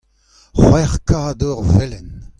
c'hwec'h kador velen.